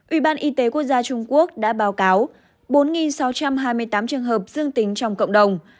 ủy ban y tế quốc gia trung quốc đã báo cáo bốn sáu trăm hai mươi tám trường hợp dương tính trong cộng đồng